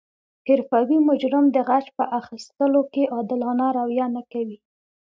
حرفوي مجرم د غچ په اخستلو کې عادلانه رویه نه کوي